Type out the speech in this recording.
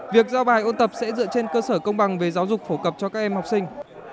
việc giao bài ôn tập sẽ dựa trên cơ sở công bằng về giáo dục phổ cập cho các em học sinh